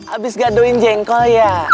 abis gadoin jengkol ya